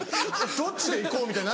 「どっちで行こう」みたいに。